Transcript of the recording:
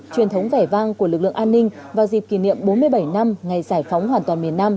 truyền thống vẻ vang của lực lượng an ninh vào dịp kỷ niệm bốn mươi bảy năm ngày giải phóng hoàn toàn miền nam